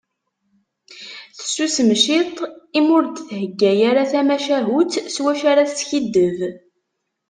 Tessusem ciṭ imi ur d-thegga ara tamacahut s wacu ara teskiddeb.